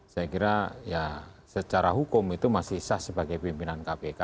saya kira ya secara hukum itu masih sah sebagai pimpinan kpk